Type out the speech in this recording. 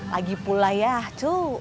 lagi pula ya cu